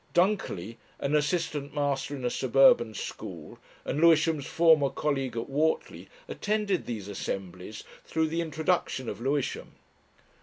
Dunkerley, an assistant master in a suburban school, and Lewisham's former colleague at Whortley, attended these assemblies through the introduction of Lewisham.